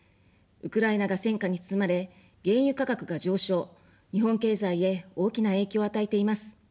ウクライナが戦火に包まれ、原油価格が上昇、日本経済へ大きな影響を与えています。